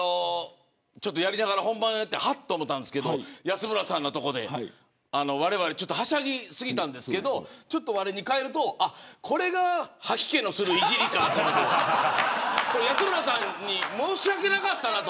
やりながらはっと思ったんですけど安村さんのところでわれわれはしゃぎ過ぎたんですけどちょっとわれに返るとこれが吐き気のするいじりかと思って安村さんに申し訳なかった。